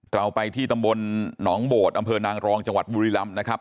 เราไปที่ตำบลหนองโบดอำเภอนางรองจังหวัดบุรีรำนะครับ